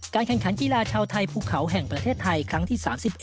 แข่งขันกีฬาชาวไทยภูเขาแห่งประเทศไทยครั้งที่๓๑